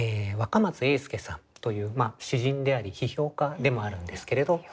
若松英輔さんという詩人であり批評家でもあるんですけれど。